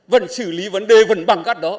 vẫn xử lý vấn đề vẫn bằng